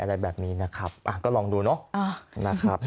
อะไรแบบนี้นะครับก็ลองดูเนาะ